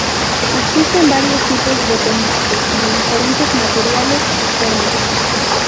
Existen varios tipos de pendientes, de diferentes materiales y formas.